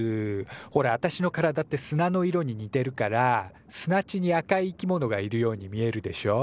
ほらあたしの体って砂の色に似てるから砂地に赤いいきものがいるように見えるでしょ？